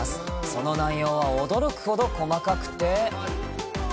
その内容は驚くほど細かくて。